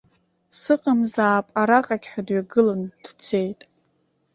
Сыҟамзаап араҟагь ҳәа дҩагылан дцеит.